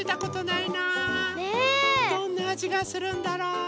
どんなあじがするんだろう？